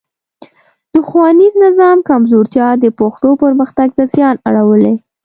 د ښوونیز نظام کمزورتیا د پښتو پرمختګ ته زیان اړولی.